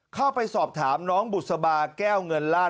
เข้าไปสอบถามน้องบุษบาแก้วเงินราช